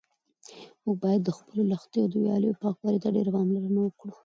موږ باید د خپلو لښتیو او ویالو پاکوالي ته ډېره پاملرنه وکړو.